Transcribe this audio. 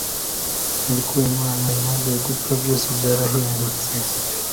Ariko Mama amaze gupfa byose byarahindutse.